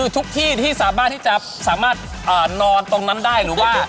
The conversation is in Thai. ทุกที่ที่สามารถที่จะสามารถนอนตรงนั้นได้หรือว่า